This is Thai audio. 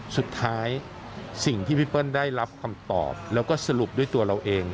สิ่งที่พี่เปิ้ลได้รับคำตอบแล้วก็สรุปด้วยตัวเราเอง